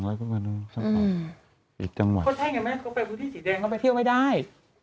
แล้วก็เที่ยงงี้ไหมเขาไปภูติสีแดงเขาไปเที่ยวไม่ได้